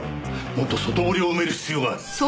もっと外堀を埋める必要がある。